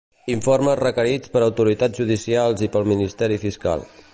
Informes requerits per autoritats judicials i pel Ministeri Fiscal.